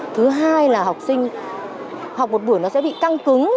thứ hai là học sinh học một buổi nó sẽ bị căng cứng